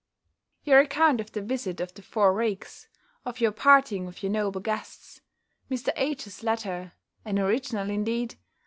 Your account of the visit of the four rakes; of your parting with your noble guests; Mr. H.'s letter (an original indeed!)